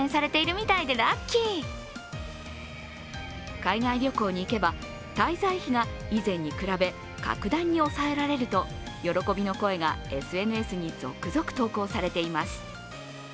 海外旅行に行けば滞在費が以前に比べ格段に抑えられると喜びの声がＳＮＳに続々投稿されています。